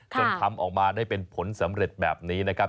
จนทำออกมาได้เป็นผลสำเร็จแบบนี้นะครับ